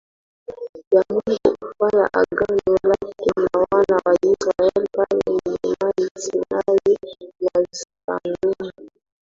ya Mungu kufanya Agano lake na wana wa Israel pale mlimani Sinai na zitadumu